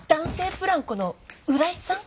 ブランコの浦井さん？